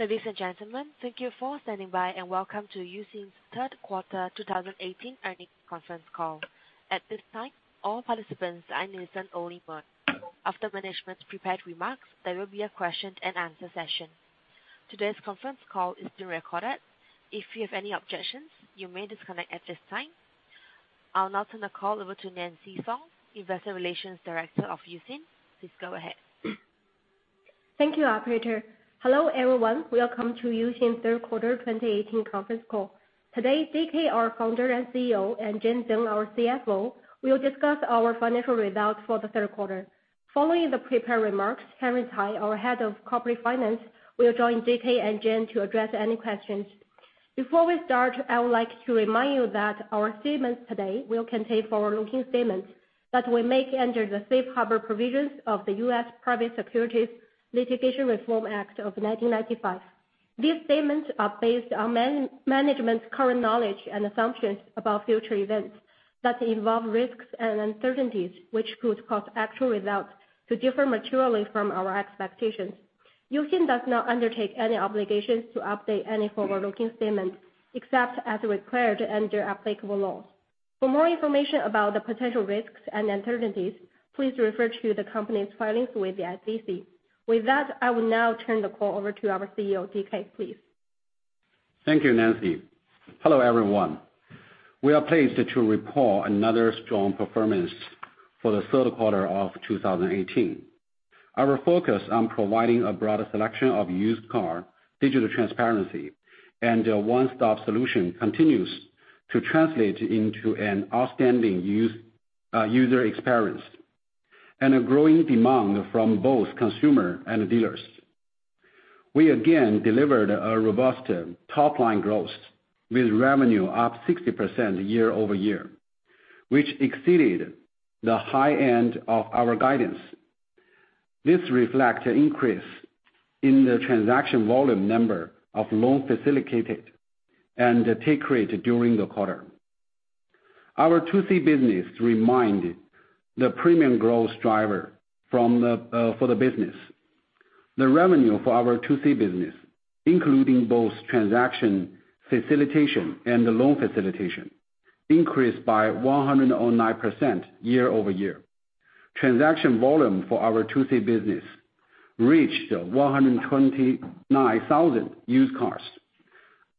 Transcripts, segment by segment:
Ladies and gentlemen, thank you for standing by, and welcome to Uxin's Third Quarter 2018 Earnings Conference Call. At this time, all participants are in listen only mode. After management's prepared remarks, there will be a question-and-answer session. Today's conference call is being recorded. If you have any objections, you may disconnect at this time. I'll now turn the call over to Nancy Song, Investor Relations Director of Uxin. Please go ahead. Thank you, operator. Hello, everyone. Welcome to Uxin third quarter 2018 conference call. Today, DK, our founder and CEO, and Zhen, our CFO, will discuss our financial results for the third quarter. Following the prepared remarks, Henry Tsai, our Head of Corporate Finance, will join DK and Zhen to address any questions. Before we start, I would like to remind you that our statements today will contain forward-looking statements that we make under the Safe Harbor Provisions of the U.S. Private Securities Litigation Reform Act of 1995. These statements are based on management's current knowledge and assumptions about future events that involve risks and uncertainties, which could cause actual results to differ materially from our expectations. Uxin does not undertake any obligations to update any forward-looking statements, except as required under applicable laws. For more information about the potential risks and uncertainties, please refer to the company's filings with the SEC. With that, I will now turn the call over to our CEO, DK, please. Thank you, Nancy. Hello, everyone. We are pleased to report another strong performance for the third quarter of 2018. Our focus on providing a broader selection of used car, digital transparency, and a one-stop solution continues to translate into an outstanding user experience, and a growing demand from both consumer and dealers. We again delivered a robust top-line growth, with revenue up 60% year-over-year, which exceeded the high end of our guidance. This reflect increase in the transaction volume number of loans facilitated and take rate during the quarter. Our 2C business remained the premium growth driver for the business. The revenue for our 2C business, including both transaction facilitation and the loan facilitation, increased by 109% year-over-year. Transaction volume for our 2C business reached 129,000 used cars,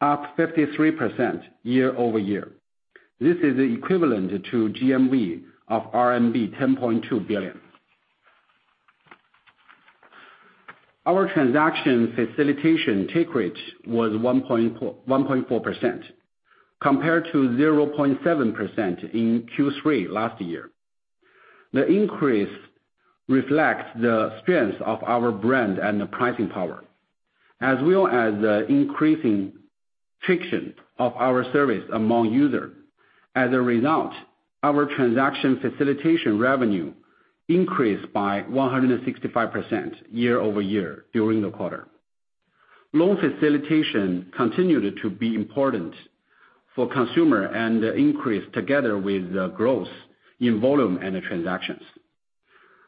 up 53% year-over-year. This is equivalent to GMV of RMB 10.2 billion. Our transaction facilitation take rate was 1.4%, compared to 0.7% in Q3 last year. The increase reflects the strength of our brand and the pricing power, as well as the increasing traction of our service among users. Our transaction facilitation revenue increased by 165% year-over-year during the quarter. Loan facilitation continued to be important for consumers and increased together with the growth in volume and transactions.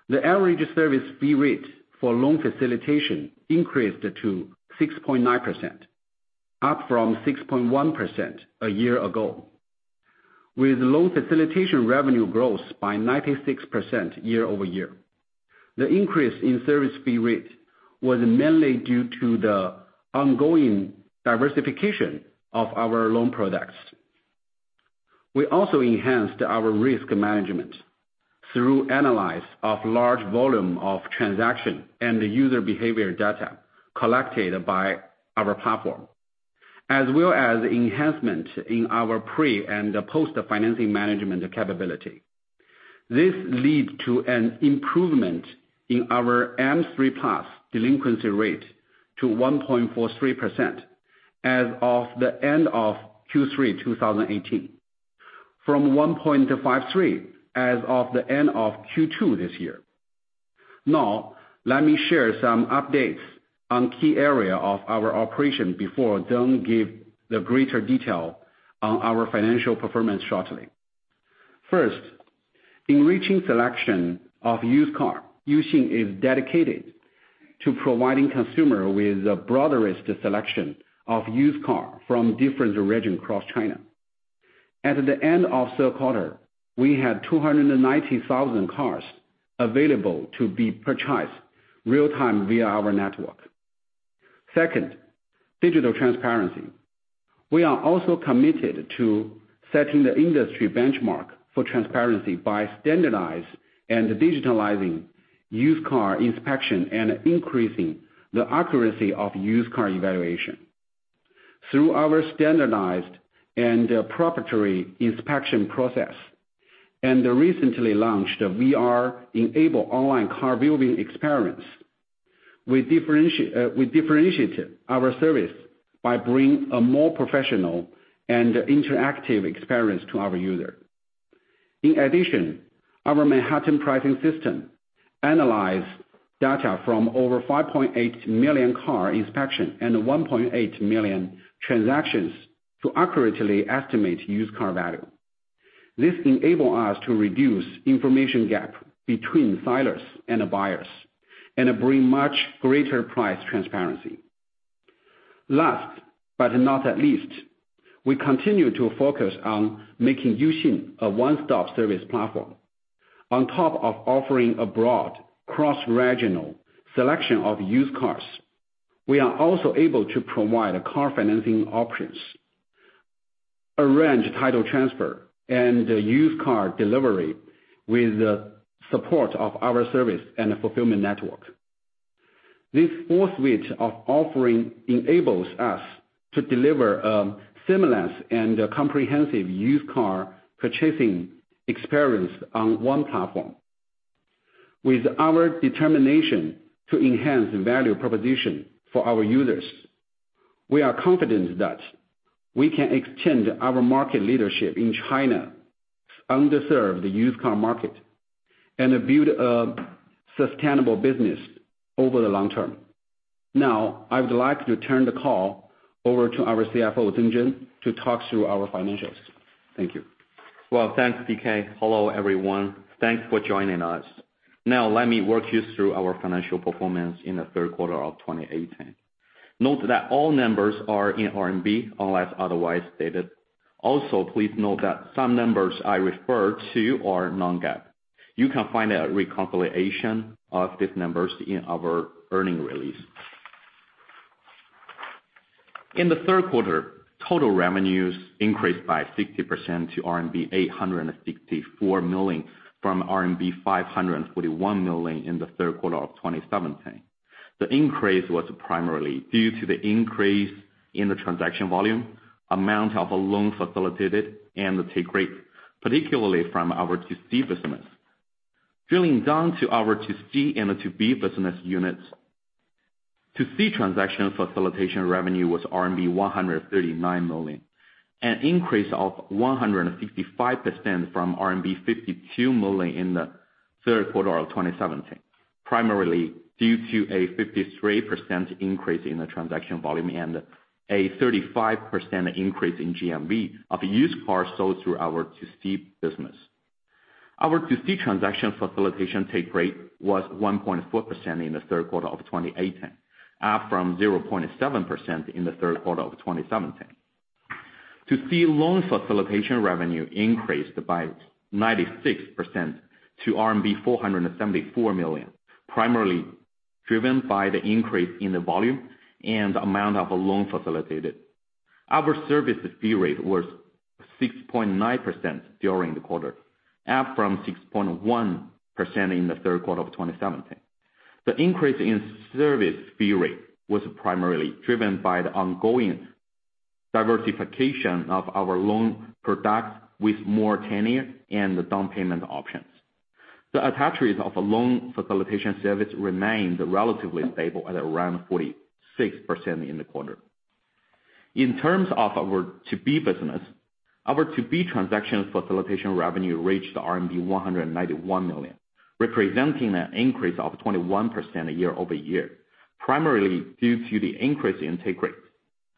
The average service fee rate for loan facilitation increased to 6.9%, up from 6.1% a year ago, with loan facilitation revenue growth by 96% year-over-year. The increase in service fee rate was mainly due to the ongoing diversification of our loan products. We also enhanced our risk management through analysis of large volume of transaction and user behavior data collected by our platform, as well as enhancement in our pre- and post-financing management capability. This led to an improvement in our M3+ delinquency rate to 1.43% as of the end of Q3 2018, from 1.53% as of the end of Q2 this year. Let me share some updates on key areas of our operation before Zhen gives the greater detail on our financial performance shortly. First, enriching selection of used cars, Uxin is dedicated to providing consumers with the broadest selection of used cars from different regions across China. At the end of third quarter, we had 290,000 cars available to be purchased real-time via our network. Second, digital transparency. We are also committed to setting the industry benchmark for transparency by standardizing and digitalizing used car inspections, and increasing the accuracy of used car evaluations. Through our standardized and proprietary inspection process and the recently launched VR-enabled online car viewing experience, we differentiated our service by bringing a more professional and interactive experience to our users. Our Manhattan pricing system analyzes data from over 5.8 million car inspections and 1.8 million transactions to accurately estimate used car values. This enables us to reduce information gap between sellers and the buyers, and bring much greater price transparency. Last but not least, we continue to focus on making Uxin a one-stop service platform. On top of offering a broad cross-regional selection of used cars, we are also able to provide car financing options, arrange title transfers, and used car delivery with the support of our service and the fulfillment network. This full suite of offering enables us to deliver a seamless and comprehensive used car purchasing experience on one platform. With our determination to enhance value proposition for our users, we are confident that we can extend our market leadership in China, serve the used car market, and build a sustainable business over the long term. I would like to turn the call over to our CFO, Zhen Zeng, to talk through our financials. Thank you. Well, thanks, DK. Hello, everyone. Thanks for joining us. Let me walk you through our financial performance in the third quarter of 2018. Note that all numbers are in RMB, unless otherwise stated. Please note that some numbers I refer to are non-GAAP. You can find a reconciliation of these numbers in our earning release. In the third quarter, total revenues increased by 60% to RMB 864 million, from RMB 541 million in the third quarter of 2017. The increase was primarily due to the increase in the transaction volume, amount of loan facilitated, and the take rate, particularly from our 2C business. Drilling down to our 2C and 2B business units, 2C transaction facilitation revenue was RMB 139 million, an increase of 155% from RMB 52 million in the third quarter of 2017, primarily due to a 53% increase in the transaction volume and a 35% increase in GMV of used cars sold through our 2C business. Our 2C transaction facilitation take rate was 1.4% in the third quarter of 2018, up from 0.7% in the third quarter of 2017. 2C loan facilitation revenue increased by 96% to 474 million, primarily driven by the increase in the volume and amount of loan facilitated. Our service fee rate was 6.9% during the quarter, up from 6.1% in the third quarter of 2017. The increase in service fee rate was primarily driven by the ongoing diversification of our loan products with more tenure and down payment options. The attach rates of loan facilitation service remained relatively stable at around 46% in the quarter. In terms of our 2B business, our 2B transaction facilitation revenue reached RMB 191 million, representing an increase of 21% year-over-year, primarily due to the increase in take rate.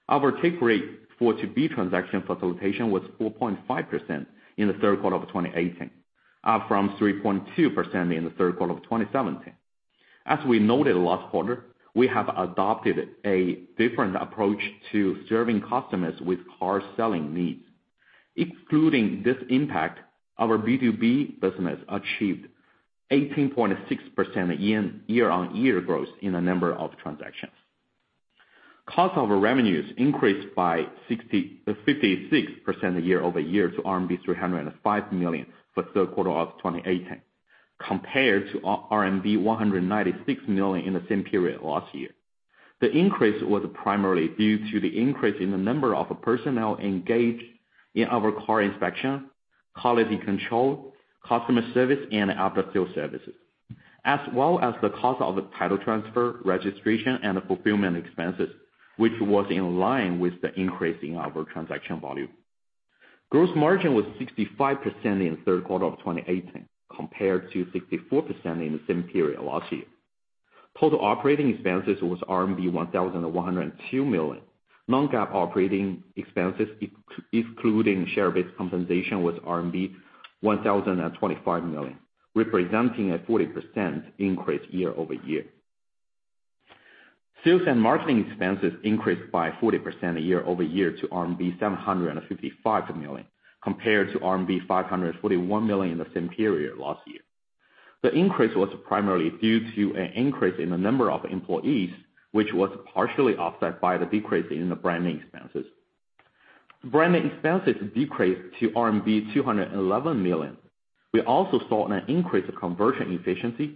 Our take rate for 2B transaction facilitation was 4.5% in the third quarter of 2018, up from 3.2% in the third quarter of 2017. As we noted last quarter, we have adopted a different approach to serving customers with car selling needs. Excluding this impact, our B2B business achieved 18.6% year-on-year growth in the number of transactions. Cost of revenues increased by 56% year-over-year to RMB 305 million for third quarter of 2018, compared to RMB 196 million in the same period last year. The increase was primarily due to the increase in the number of personnel engaged in our car inspection, quality control, customer service, and after-sale services, as well as the cost of the title transfer, registration, and the fulfillment expenses, which was in line with the increase in our transaction volume. Gross margin was 65% in the third quarter of 2018, compared to 64% in the same period last year. Total operating expenses was RMB 1,102 million. Non-GAAP operating expenses, excluding share-based compensation, was RMB 1,025 million, representing a 40% increase year-over-year. Sales and marketing expenses increased by 40% year-over-year to RMB 755 million, compared to RMB 541 million in the same period last year. The increase was primarily due to an increase in the number of employees, which was partially offset by the decrease in the branding expenses. Branding expenses decreased to RMB 211 million. We also saw an increase of conversion efficiency,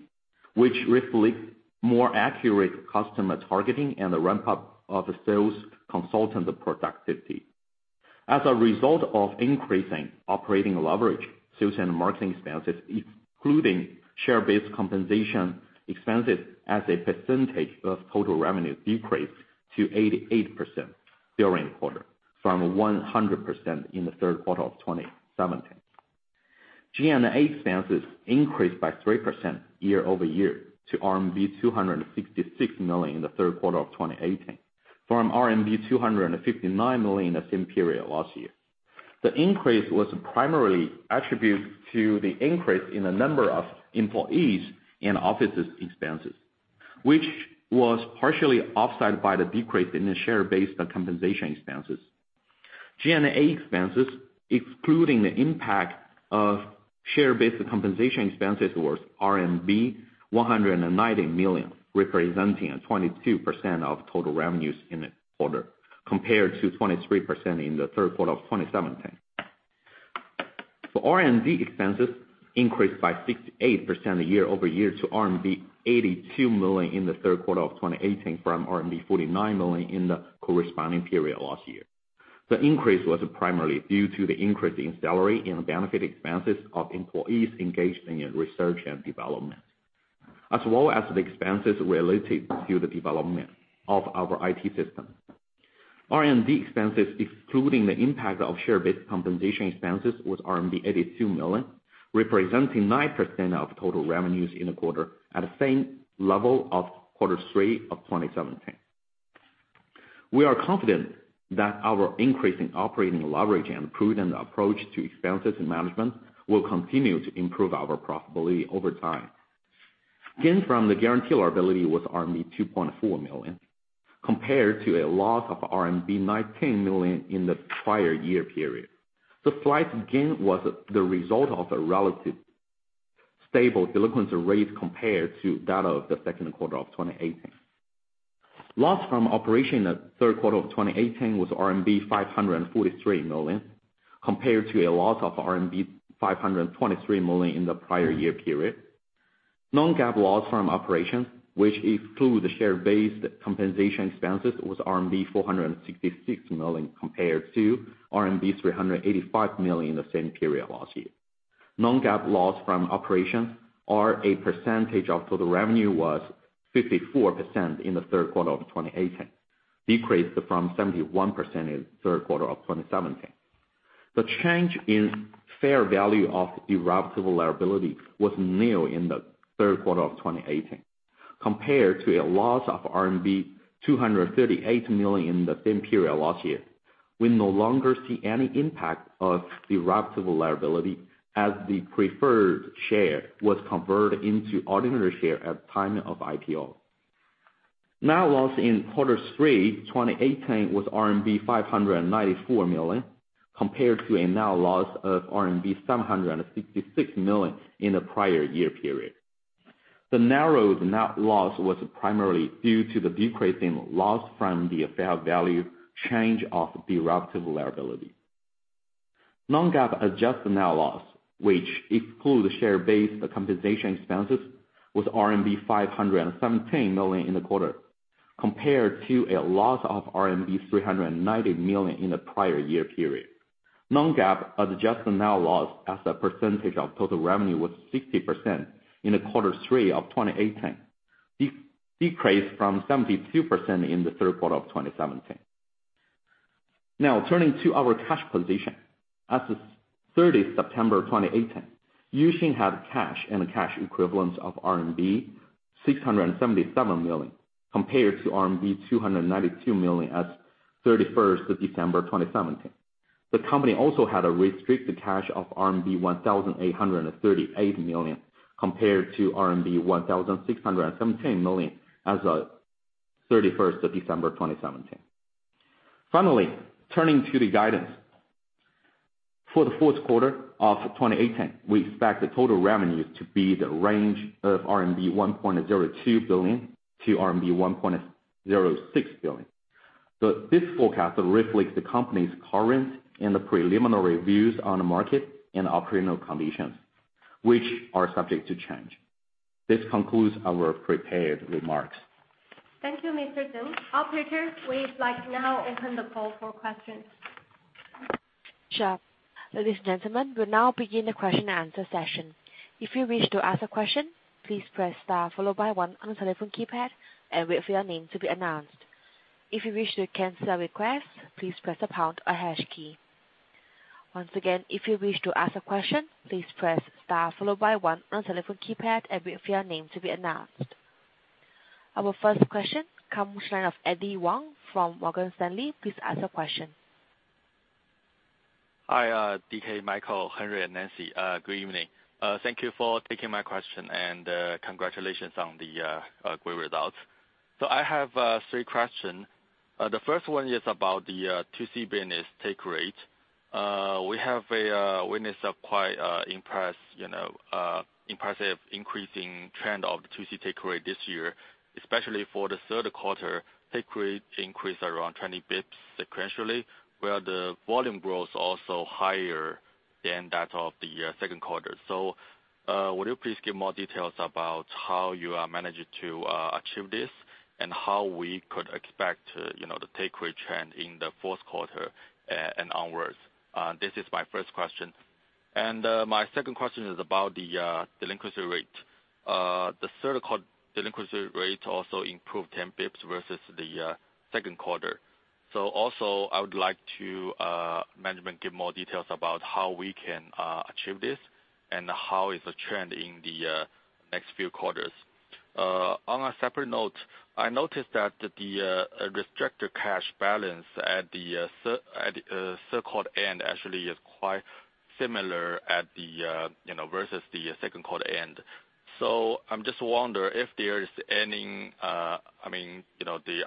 which reflects more accurate customer targeting and the ramp-up of sales consultant productivity. As a result of increasing operating leverage, sales and marketing expenses, including share-based compensation expenses as a percentage of total revenue, decreased to 88% during the quarter from 100% in the third quarter of 2017. G&A expenses increased by 3% year-over-year to RMB 266 million in the third quarter of 2018, from RMB 259 million the same period last year. The increase was primarily attributed to the increase in the number of employees and offices expenses, which was partially offset by the decrease in the share-based compensation expenses. G&A expenses, excluding the impact of share-based compensation expenses, was RMB 190 million, representing 22% of total revenues in the quarter, compared to 23% in the third quarter of 2017. R&D expenses increased by 68% year-over-year to RMB 82 million in the third quarter of 2018 from RMB 49 million in the corresponding period last year. The increase was primarily due to the increase in salary and benefit expenses of employees engaged in research and development, as well as the expenses related to the development of our IT system. R&D expenses, excluding the impact of share-based compensation expenses, was RMB 82 million, representing 9% of total revenues in the quarter at the same level of quarter three of 2017. We are confident that our increase in operating leverage and prudent approach to expenses management will continue to improve our profitability over time. Gains from the guarantee liability was RMB 2.4 million, compared to a loss of RMB 19 million in the prior-year period. The slight gain was the result of a relative stable delinquency rate compared to that of the second quarter of 2018. Loss from operation in the third quarter of 2018 was RMB 543 million, compared to a loss of RMB 523 million in the prior year period. Non-GAAP loss from operations, which exclude the share-based compensation expenses, was RMB 466 million compared to RMB 385 million in the same period last year. Non-GAAP loss from operations as a percentage of total revenue was 54% in the third quarter of 2018, decreased from 71% in the third quarter of 2017. The change in fair value of derivative liability was new in the third quarter of 2018, compared to a loss of RMB 238 million in the same period last year. We no longer see any impact of derivative liability, as the preferred share was converted into ordinary share at time of IPO. Net loss in quarter three 2018 was RMB 594 million, compared to a net loss of RMB 766 million in the prior year period. The narrowed net loss was primarily due to the decrease in loss from the fair value change of derivative liability. Non-GAAP adjusted net loss, which exclude share-based compensation expenses, was RMB 517 million in the quarter, compared to a loss of RMB 390 million in the prior year period. Non-GAAP adjusted net loss as a percentage of total revenue was 60% in the quarter three of 2018, decreased from 72% in the third quarter of 2017. Turning to our cash position. As of 30th September 2018, Uxin had cash and cash equivalents of RMB 677 million, compared to RMB 292 million as 31st of December 2017. The company also had a restricted cash of RMB 1,838 million compared to RMB 1,617 million as of 31st of December 2017. Finally, turning to the guidance. For the fourth quarter of 2018, we expect the total revenues to be the range of 1.02 billion-1.06 billion RMB. This forecast reflects the company's current and the preliminary views on the market and operating conditions, which are subject to change. This concludes our prepared remarks. Thank you, Mr. Zhen. Operator, we'd like to now open the call for questions. Sure. Ladies and gentlemen, we'll now begin the question-and-answer session. If you wish to ask a question, please press star followed by one on telephone keypad and wait for your name to be announced. If you wish to cancel a request, please press the pound or hash key. Once again, if you wish to ask a question, please press star followed by one on telephone keypad and wait for your name to be announced. Our first question comes from the line of Eddy Wang from Morgan Stanley. Please ask your question. Hi, DK, Michael, Henry, and Nancy. Good evening. Thank you for taking my question, and congratulations on the great results. I have three questions. The first one is about the 2C business take rate. We have witnessed an impressive increasing trend of 2C take rate this year, especially for the third quarter, take rate increased around 20 basis points sequentially, where the volume growth is also higher than that of the second quarter. Would you please give more details about how you are managing to achieve this and how we could expect the take rate trend in the fourth quarter and onwards? This is my first question. My second question is about the delinquency rate. The M3+ delinquency rate also improved 10 basis points versus the second quarter. Also, I would like management to give more details about how we can achieve this and how is the trend in the next few quarters. On a separate note, I noticed that the restricted cash balance at the third quarter end actually is quite similar versus the second quarter end. I'm just wondering.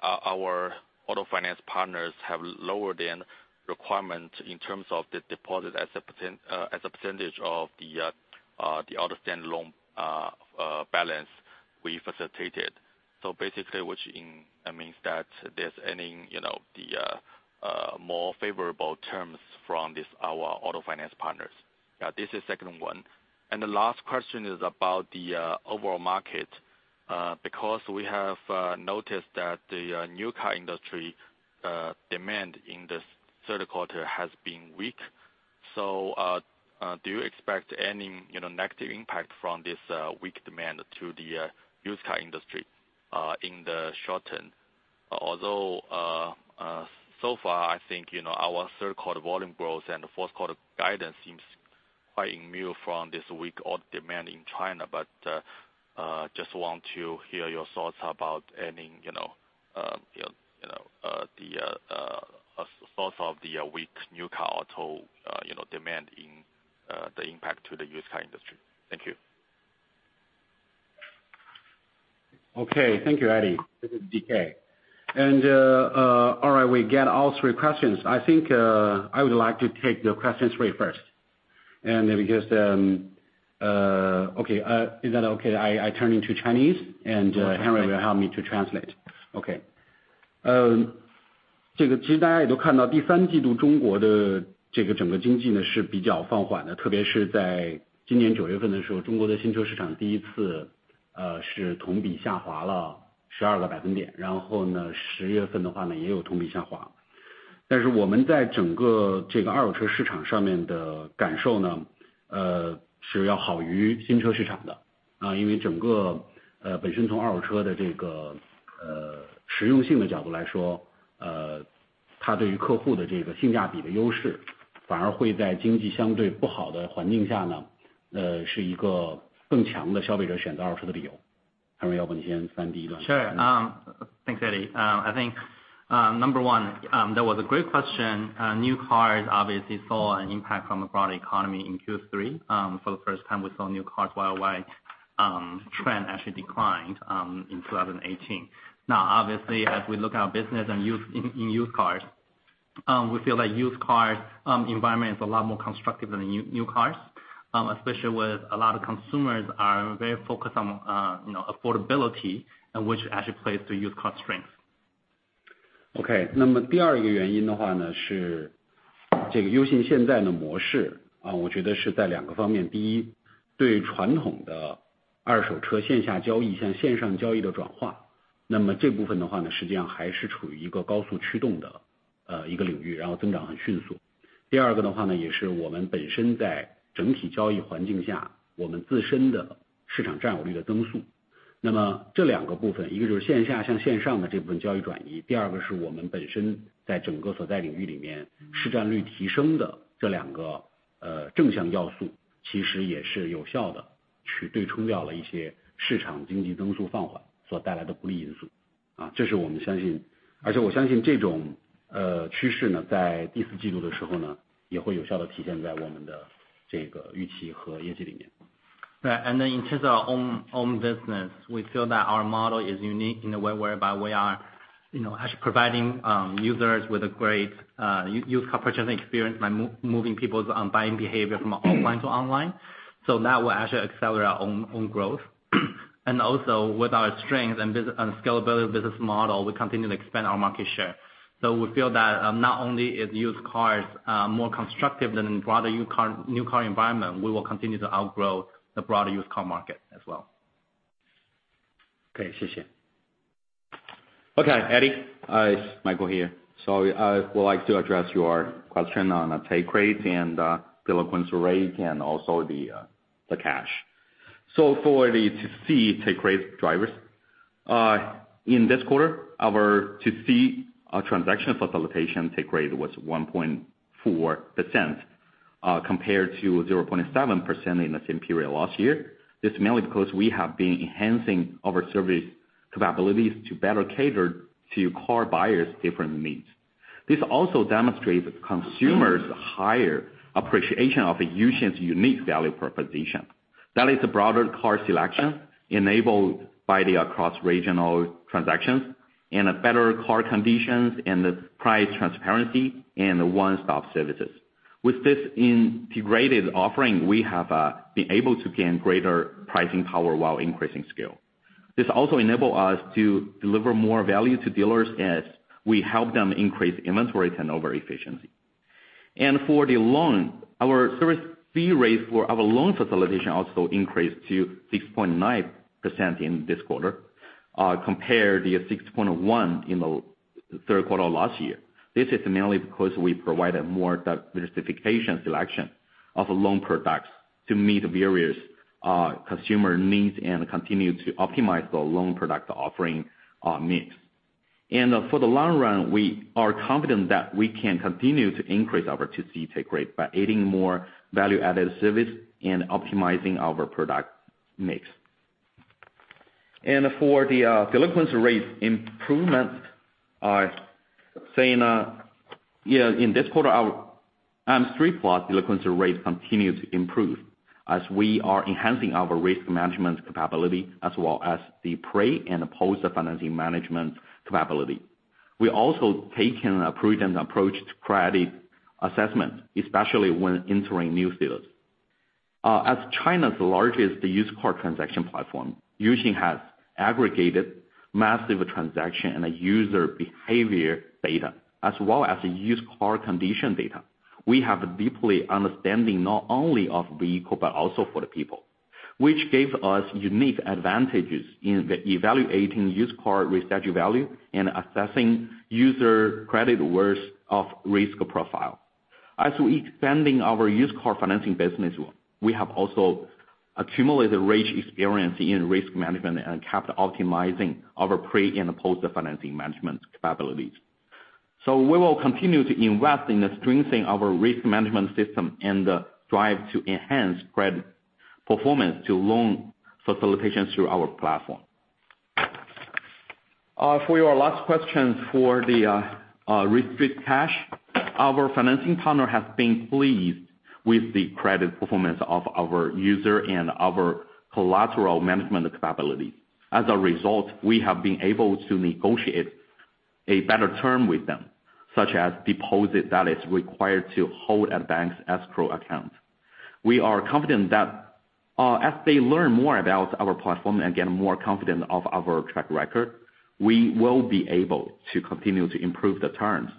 Our auto finance partners have lowered the requirement in terms of the deposit as a percentage of the outstanding loan balance we facilitated. Basically, which means that there's any more favorable terms from our auto finance partners. This is second one. The last question is about the overall market, because we have noticed that the new car industry demand in this third quarter has been weak. Do you expect any negative impact from this weak demand to the used car industry in the short term? Although, so far I think, our third quarter volume growth and the fourth quarter guidance seems quite immune from this weak demand in China, but I just want to hear your thoughts about any source of the weak new car demand and the impact to the used car industry. Thank you. Okay. Thank you, Eddy. This is DK. All right, we get all three questions. I think, I would like to take the questions very first. Is that okay if I turn into Chinese and Henry will help me to translate? Okay. Sure. Thanks, Eddy. I think, number one, that was a great question. New cars obviously saw an impact from the broader economy in Q3. For the first time, we saw new cars YoY trend actually declined in 2018. Obviously, as we look at our business in used cars, we feel like used car environment is a lot more constructive than new cars. Especially with a lot of consumers are very focused on affordability, which actually plays to used car strengths. Okay. Right. In terms of our own business, we feel that our model is unique in a way whereby we are actually providing users with a great used car purchasing experience by moving people's buying behavior from offline to online. That will actually accelerate our own growth. Also with our strength and scalability of business model, we continue to expand our market share. We feel that not only is used cars more constructive than broader new car environment, we will continue to outgrow the broader used car market as well. Okay. Thank you. Okay, Eddy. It's Michael here. I would like to address your question on take rates and delinquency rate and also the cash. For the 2C take rate drivers. In this quarter, our 2C transaction facilitation take rate was 1.4% compared to 0.7% in the same period last year. This is mainly because we have been enhancing our service capabilities to better cater to car buyers' different needs. This also demonstrates consumers' higher appreciation of Uxin's unique value proposition. That is a broader car selection enabled by the cross-regional transactions and a better car conditions and the price transparency and the one-stop services. With this integrated offering, we have been able to gain greater pricing power while increasing scale. This also enable us to deliver more value to dealers as we help them increase inventory turnover efficiency. For the loan, our service fee rates for our loan facilitation also increased to 6.9% in this quarter, compared to the 6.1% in the third quarter last year. This is mainly because we provided more diversification selection of the loan products to meet various consumer needs and continue to optimize the loan product offering mix. For the long run, we are confident that we can continue to increase our 2C take rate by adding more value-added service and optimizing our product mix. For the delinquency rates improvement are saying, in this quarter, our three-plus delinquency rates continue to improve as we are enhancing our risk management capability, as well as the pre and post financing management capability. We also taken a prudent approach to credit assessment, especially when entering new fields. As China's largest used car transaction platform, Uxin has aggregated massive transaction and user behavior data, as well as used car condition data. We have a deeply understanding not only of vehicle but also for the people, which gave us unique advantages in evaluating used car residual value and assessing user credit worth of risk profile. As we expanding our used car financing business, we have also accumulated rich experience in risk management and capital optimizing our pre and post financing management capabilities. We will continue to invest in the strengthening our risk management system and drive to enhance credit performance to loan facilitations through our platform. For your last question, for the risk-free cash. Our financing partner has been pleased with the credit performance of our user and our collateral management capability. As a result, we have been able to negotiate a better term with them, such as deposit that is required to hold at bank's escrow account. We are confident that as they learn more about our platform and get more confident of our track record, we will be able to continue to improve the terms.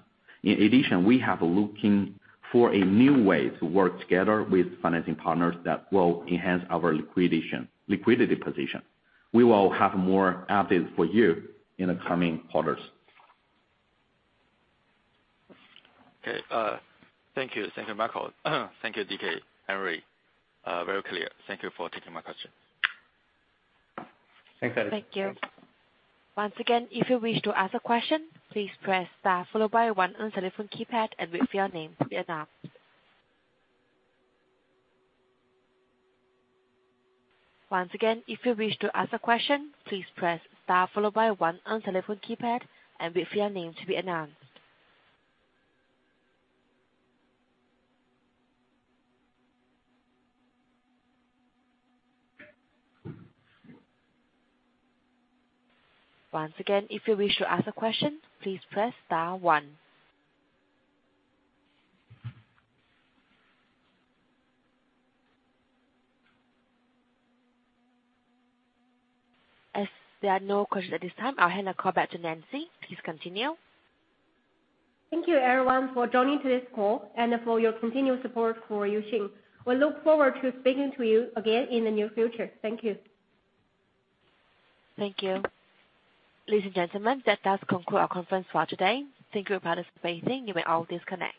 In addition, we have looking for a new way to work together with financing partners that will enhance our liquidity position. We will have more updates for you in the coming quarters. Okay. Thank you. Thank you, Michael. Thank you, DK, Henry. Very clear. Thank you for taking my question. Thanks, Eddy. Thank you. Once again, if you wish to ask a question, please press star followed by one on telephone keypad and wait for your name to be announced. Once again, if you wish to ask a question, please press star followed by one on telephone keypad and wait for your name to be announced. Once again, if you wish to ask a question, please press star one. As there are no questions at this time, I'll hand the call back to Nancy. Please continue. Thank you, everyone, for joining today's call and for your continued support for Uxin. We look forward to speaking to you again in the near future. Thank you. Thank you. Ladies and gentlemen, that does conclude our conference for today. Thank you for participating. You may all disconnect.